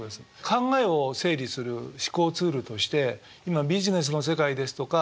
考えを整理する思考ツールとして今ビジネスの世界ですとか